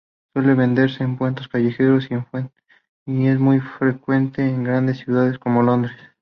Suele venderse en puestos callejeros y es muy frecuente en grandes ciudades como Londres.